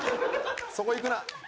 そこいくな！